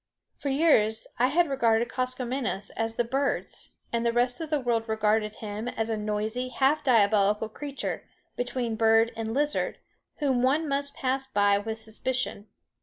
For years I had regarded Koskomenos, as the birds and the rest of the world regard him, as a noisy, half diabolical creature, between bird and lizard, whom one must pass by with suspicion.